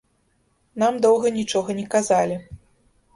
Нам доўга нічога не казалі.